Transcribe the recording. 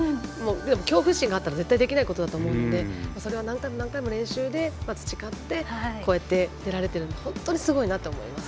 恐怖心があったら絶対できないと思うのでそれを何回も何回も練習で培ってこうして、出られているのですごいなと思います。